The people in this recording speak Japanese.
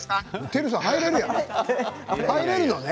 テルさん入れるのね？